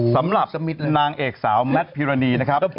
สำหรับนางเอกสาวแมทพิรณีนะครับ